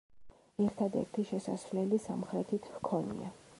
ერთადერთი შესასვლელი სამხრეთით ჰქონია.